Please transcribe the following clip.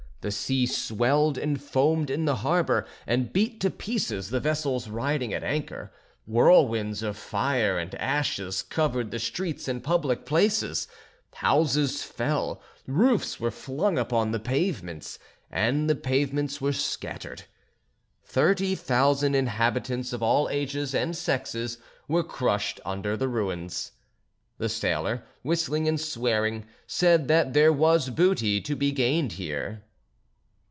The sea swelled and foamed in the harbour, and beat to pieces the vessels riding at anchor. Whirlwinds of fire and ashes covered the streets and public places; houses fell, roofs were flung upon the pavements, and the pavements were scattered. Thirty thousand inhabitants of all ages and sexes were crushed under the ruins. The sailor, whistling and swearing, said there was booty to be gained here.